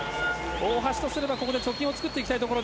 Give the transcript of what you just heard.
大橋とすれば、ここで貯金を作っていきたいところ。